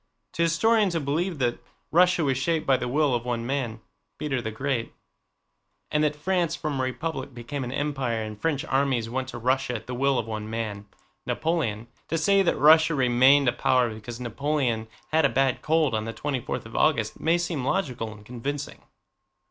To historians who believe that Russia was shaped by the will of one man—Peter the Great—and that France from a republic became an empire and French armies went to Russia at the will of one man—Napoleon—to say that Russia remained a power because Napoleon had a bad cold on the twenty fourth of August may seem logical and convincing.